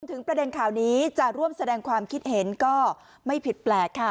ถึงประเด็นข่าวนี้จะร่วมแสดงความคิดเห็นก็ไม่ผิดแปลกค่ะ